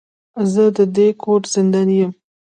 زه د دې کور زنداني يم.